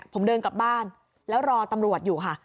ผมเดินกลับบ้านแล้วรอตำรวจอยู่ค่ะ